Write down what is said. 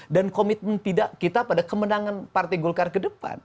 dan komitmen kita pada kemenangan partai golkar ke depan